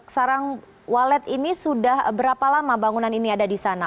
sarang walet ini sudah berapa lama bangunan ini ada di sana